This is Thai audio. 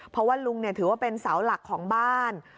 เพราะว่าลุงถือว่าเป็นเสาหลักของบ้าน